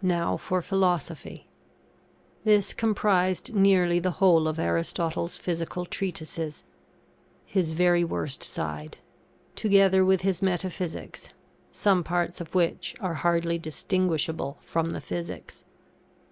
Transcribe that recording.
Now for Philosophy. This comprised nearly the whole of Aristotle's Physical treatises his very worst side together with his Metaphysics, some parts of which are hardly distinguishable from the Physics.